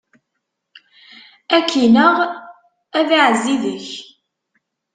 Ad k-ineɣ, ad iɛezzi deg-k!